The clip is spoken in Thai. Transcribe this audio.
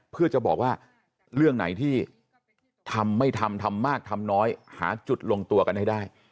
เพื่อจะบอกว่าเรื่องไหนที่ทำไม่ทำทำมากทำน้อยหาจุดลงตัวกันให้ได้